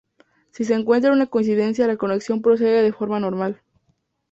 Si se encuentra una coincidencia la conexión procede de forma normal.